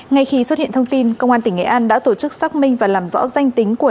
ngay khi xuất hiện thông tin công an tỉnh nghệ an đã tổ chức xác minh và làm rõ danh tính của